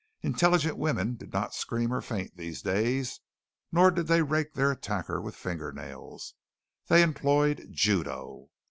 Intelligent women did not scream or faint these days, nor did they rake their attacker with fingernails. They employed Judo.